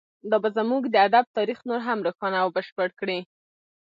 دا به زموږ د ادب تاریخ نور هم روښانه او بشپړ کړي